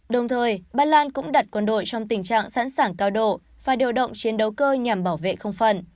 đồng thời ba lan cũng đặt quân đội trong tình trạng sẵn sàng cao độ và điều động chiến đấu cơ nhằm bảo vệ không phận